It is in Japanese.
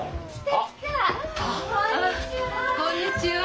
あっこんにちは。